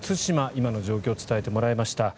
今の状況を伝えてもらいました。